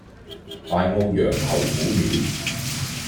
大澳楊侯古廟